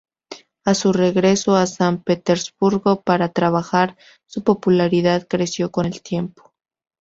A su regreso a San Petersburgo para trabajar, su popularidad creció con el tiempo.